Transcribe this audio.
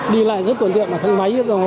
đi lại rất tuyệt tiện mà thật máy